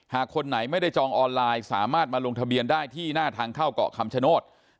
คนไหนไม่ได้จองออนไลน์สามารถมาลงทะเบียนได้ที่หน้าทางเข้าเกาะคำชโนธ